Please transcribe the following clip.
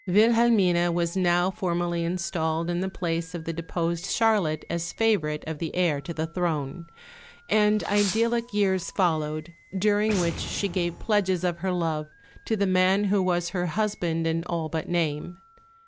Wilhelmine was now formally installed in the place of the deposed Charlotte as favourite of the heir to the throne; and idyllic years followed, during which she gave pledges of her love to the man who was her husband in all but name.